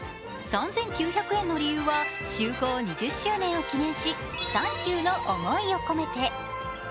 ３９００円の理由は就航２０周年を記念しサンキューの思いを込めて。